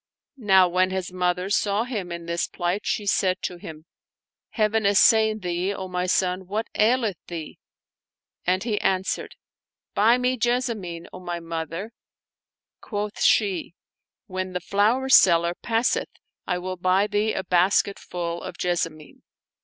Now when his mother saw him in this plight, she said to him, " Heaven assain thee, O my son ! What aileth thee?" And he answered, "Buy me Jessamine, ,0 my mother !" Quoth she, " When the flower seller passeth I will buy thee a basketful of jessamine."